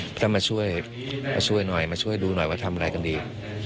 ถ้ามาช่วยมาช่วยหน่อยมาช่วยดูหน่อยว่าทำอะไรกันดี